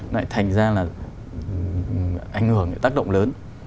lại thành ra là ảnh hưởng tác động lớn